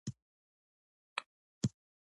په روم کې غلامي په بزګرۍ کې رواج وموند.